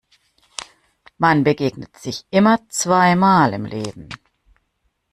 Man begegnet sich immer zweimal im Leben.